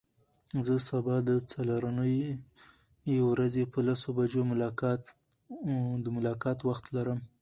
زه سبا د څلرنۍ ورځ په لسو بجو د ملاقات وخت لرم.